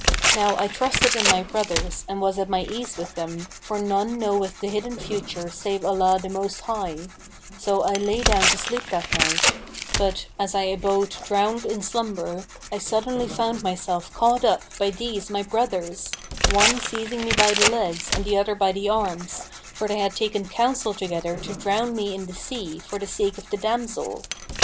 Now I trusted in my brothers and was at my ease with them, for none knoweth the hidden future save Allah the Most High; so I lay down to sleep that night; but, as I abode drowned in slumber, I suddenly found myself caught up by these my brothers, one seizing me by the legs and the other by the arms, for they had taken counsel together to drown me in the sea for the sake of the damsel.